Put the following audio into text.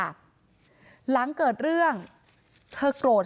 นายพิรายุนั่งอยู่ติดกันแบบนี้นะคะ